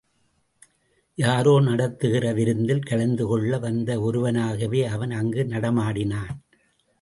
யாரோ நடத்துகிற விருந்தில் கலந்து கொள்ள வந்த ஒருவனாகவே அவன் அங்கு நடமாடினான்.